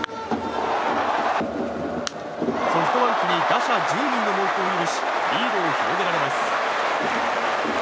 ソフトバンクに打者１０人の猛攻を許しリードを広げられます。